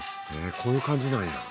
こういう感じなんや。